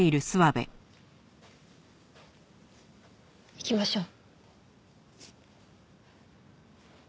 行きましょう。